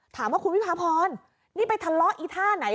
ถามว่าคุณวิพาพรนี่ไปทะเลาะอีท่าไหน